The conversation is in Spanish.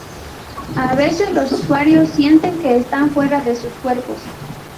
A veces los usuarios sienten que están fuera de sus cuerpos.